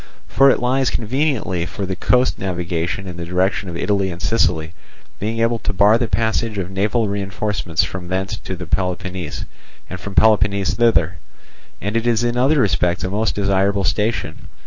For it lies conveniently for the coast navigation in the direction of Italy and Sicily, being able to bar the passage of naval reinforcements from thence to Peloponnese, and from Peloponnese thither; and it is in other respects a most desirable station.